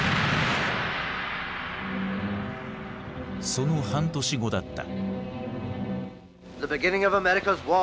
その半年後だった。